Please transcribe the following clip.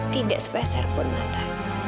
tidak sebesar pun tante